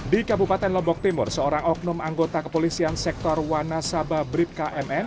di kabupaten lombok timur seorang oknum anggota kepolisian sektor wanasaba brib kmn